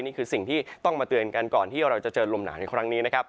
นี่คือสิ่งที่ต้องมาเตือนกันก่อนที่เราจะเจอลมหนาวในครั้งนี้นะครับ